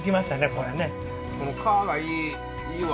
この皮がいいいいわ。